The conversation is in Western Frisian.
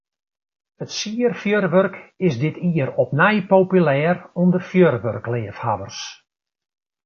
It sierfjurwurk is dit jier opnij populêr ûnder fjurwurkleafhawwers.